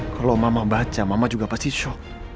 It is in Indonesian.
kalau mama baca mama juga pasti shock